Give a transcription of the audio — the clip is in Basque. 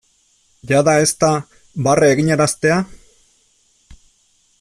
Jada ez da barre eginaraztea?